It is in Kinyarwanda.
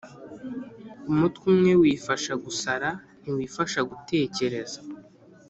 Umutwe umwe wifasha gusara, ntiwifasha gutekereza.